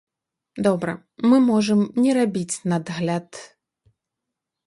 Добра, мы можам не рабіць надгляд.